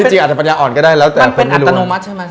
จริงอาจจะปัญญาอ่อนก็ได้แล้วแต่คนไม่รู้